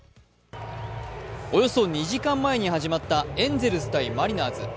およそ２時間前に始まったエンゼルス×マリナーズ。